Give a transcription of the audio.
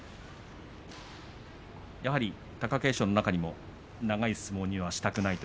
貴景勝の中にも長い相撲にしたくないと。